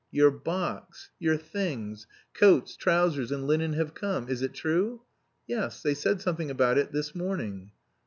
"Your box, your things, coats, trousers, and linen have come. Is it true?" "Yes... they said something about it this morning."